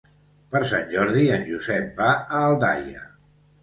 Per Sant Jordi en Josep va a Aldaia.